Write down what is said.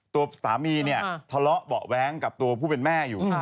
ตัวสามีแฮลกูล้าเบาะแว๊งกับตัวผู้เป็นแม่อยู่